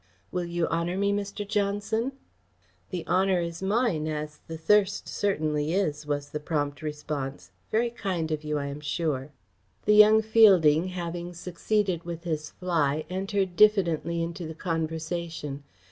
"Will you honour me, Mr. Johnson?" "The honour is mine as the thirst certainly is," was the prompt response. "Very kind of you, I am sure." The young man Fielding, having succeeded with his fly, entered diffidently into the conversation.